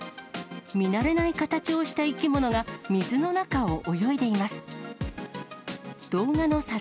見慣れない形をした生き物が水の中を泳いでいます。